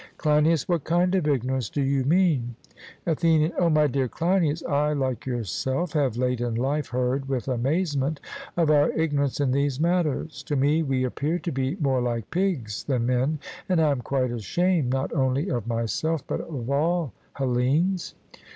CLEINIAS: What kind of ignorance do you mean? ATHENIAN: O my dear Cleinias, I, like yourself, have late in life heard with amazement of our ignorance in these matters; to me we appear to be more like pigs than men, and I am quite ashamed, not only of myself, but of all Hellenes.